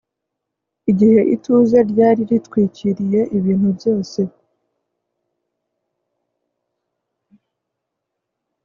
igihe ituze ryari ritwikiriye ibintu byose